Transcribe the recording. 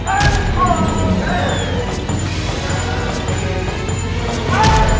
อาศัยก็จะรู้ที่รัฐของพ่อแซม